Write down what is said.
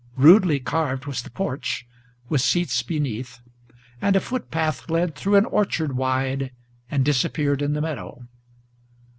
Rudely carved was the porch, with seats beneath; and a footpath Led through an orchard wide, and disappeared in the meadow.